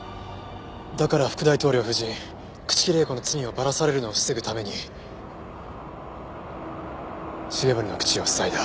だから副大統領夫人朽木里江子の罪をバラされるのを防ぐために繁森の口を塞いだ。